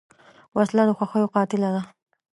وسله د خوښیو قاتله ده